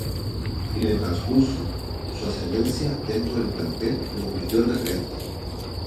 En el transcurso, su ascendencia dentro del plantel, lo convirtió en referente.